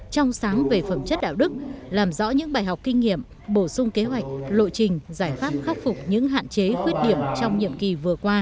trong sáng về phẩm chất đạo đức làm rõ những bài học kinh nghiệm bổ sung kế hoạch lộ trình giải pháp khắc phục những hạn chế khuyết điểm trong nhiệm kỳ vừa qua